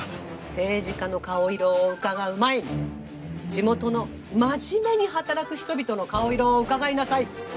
政治家の顔色をうかがう前に地元の真面目に働く人々の顔色をうかがいなさい。